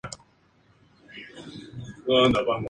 Más adelante, trabajaría tanto en teatro como en películas.